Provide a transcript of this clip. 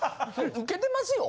ウケてますよ。